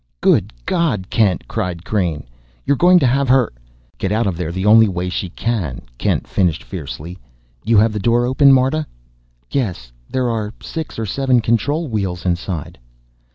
"Good God, Kent!" cried Crain. "You're going to have her ?" "Get out of there the only way she can!" Kent finished fiercely. "You have the door open, Marta?" "Yes; there are six or seven control wheels inside."